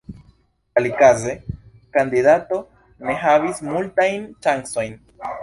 Alikaze, kandidato ne havis multajn ŝancojn.